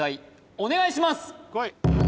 お願いします